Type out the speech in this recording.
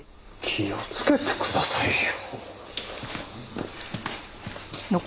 気をつけてくださいよ。